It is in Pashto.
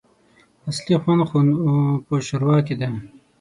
اصلي خوند خو نو په ښوروا کي دی !